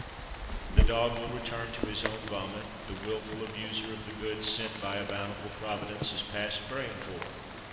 The dog will return to his own vomit; the wilful abuser of the goods sent by a bountiful Providence is past praying for.